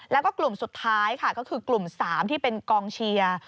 แล้วก็กลุ่มสุดท้ายค่ะก็คือกลุ่ม๓ที่เป็นกองเชียร์